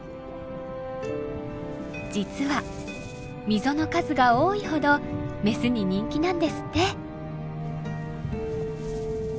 実は溝の数が多いほどメスに人気なんですって。